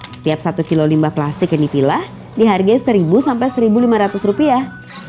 setiap satu kilo limbah plastik yang dipilah dihargai seribu sampai seribu lima ratus rupiah